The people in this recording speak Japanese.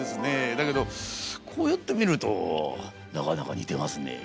だけどこうやって見るとなかなか似てますね。